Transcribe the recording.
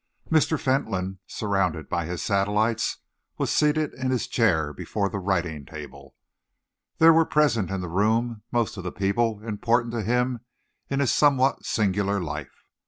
CHAPTER IX Mr. Fentolin, surrounded by his satellites, was seated in his chair before the writing table. There were present in the room most of the people important to him in his somewhat singular life.